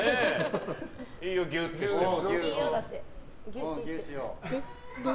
いいよ、ギュっとしても。